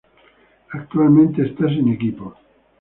Tiene y actualmente está sin equipo.